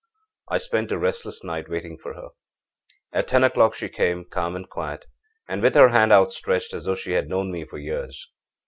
âI spent a restless night waiting for her. âAt ten o'clock she came, calm and quiet, and with her hand outstretched, as though she had known me for years.